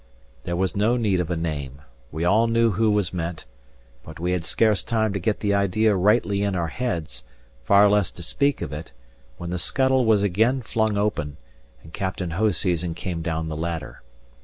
There was no need of a name; we all knew who was meant; but we had scarce time to get the idea rightly in our heads, far less to speak of it, when the scuttle was again flung open, and Captain Hoseason came down the ladder.